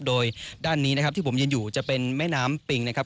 โดยด้านนี้นะครับที่ผมยืนอยู่จะเป็นแม่น้ำปิงนะครับ